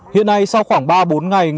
hiện nay sau khoảng ba bốn ngày